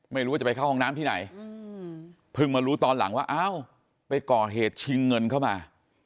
ไม่รู้ว่าจะไปเข้าห้องน้ำที่ไหนเพิ่งมารู้ตอนหลังว่าอ้าวไปก่อเหตุชิงเงินเข้ามา